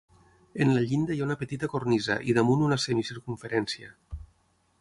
En la llinda hi ha una petita cornisa i damunt una semi circumferència.